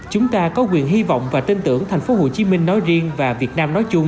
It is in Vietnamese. chúng ta có quyền hy vọng và tin tưởng thành phố hồ chí minh nói riêng và việt nam nói chung